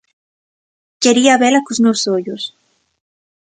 Quería vela cos meus ollos.